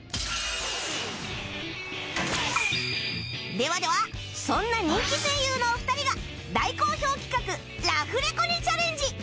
ではではそんな人気声優のお二人が大好評企画ラフレコにチャレンジ！